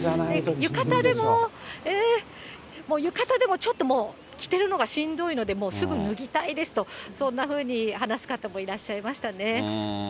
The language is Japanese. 浴衣でも、もう浴衣でもちょっともう、着てるのがしんどいので、もうすぐ脱ぎたいですと、そんなふうに話す方もいらっしゃいましたね。